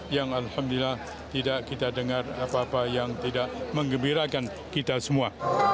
yang alhamdulillah tidak kita dengar apa apa yang tidak mengembirakan kita semua